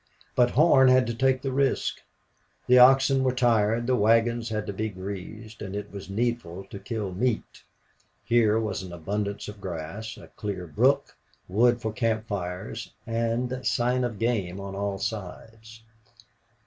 But Horn had to take the risk. The oxen were tired, the wagons had to be greased, and it was needful to kill meat. Here was an abundance of grass, a clear brook, wood for camp fires, and sign of game on all sides.